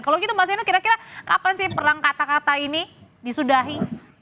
kalau gitu mas eno kira kira kapan sih perang kata kata ini disudahi